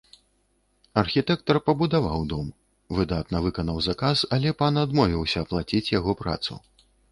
Архітэктар пабудаваў дом, выдатна выканаў заказ, але пан адмовіўся аплаціць яго працу.